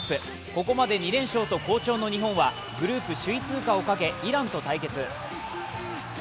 ここまで２連勝と好調の日本はグループ首位通過をかけイランと対決。